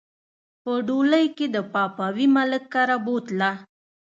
په ډولۍ کښې د پاپاوي ملک کره بوتله